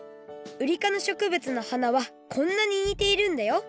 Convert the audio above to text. ウリかのしょくぶつの花はこんなににているんだよ